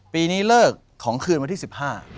ปีนี้เลิกของคืนวันที่สิบห้า